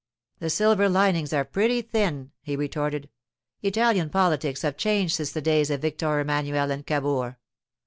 'The silver linings are pretty thin,' he retorted. 'Italian politics have changed since the days of Victor Emmanuel and Cavour.